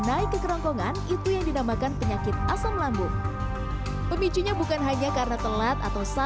naik ke kerongkongan itu yang dinamakan penyakit asam lambung pemicunya bukan hanya karena telat atau salah konsumsi makan